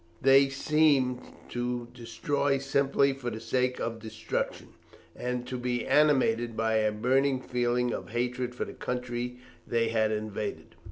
They seemed to destroy simply for the sake of destruction, and to be animated by a burning feeling of hatred for the country they had invaded.